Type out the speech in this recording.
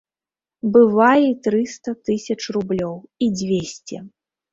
Бывае і трыста тысяч рублёў, і дзвесце!